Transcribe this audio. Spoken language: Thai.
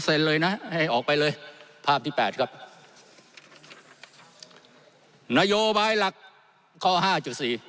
เลยนะให้ออกไปเลยภาพที่แปดครับนโยบายหลักข้อห้าจุดสี่